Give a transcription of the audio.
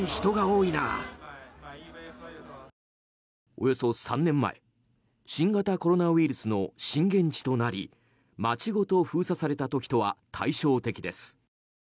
およそ３年前新型コロナウイルスの震源地となり街ごと封鎖された時とは対照的です。